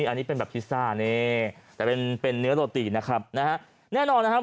อันนี้เป็นแบบพิซซ่านี่แต่เป็นเป็นเนื้อโรตีนะครับนะฮะแน่นอนนะครับ